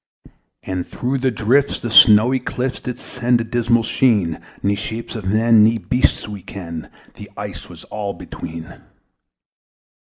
And through the drifts the snowy clifts Did send a dismal sheen: Nor shapes of men nor beasts we ken The ice was all between.